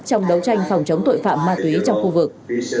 trong đấu tranh phòng chống tội phạm ma túy trong khu vực